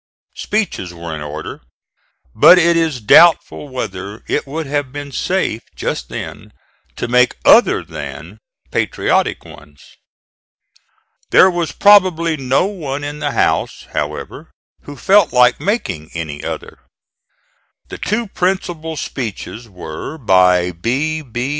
Speeches were in order, but it is doubtful whether it would have been safe just then to make other than patriotic ones. There was probably no one in the house, however, who felt like making any other. The two principal speeches were by B. B.